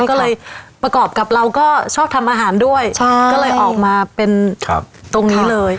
ก็เลยประกอบกับเราก็ชอบทำอาหารด้วยใช่ก็เลยออกมาเป็นตรงนี้เลย